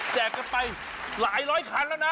กันไปหลายร้อยคันแล้วนะ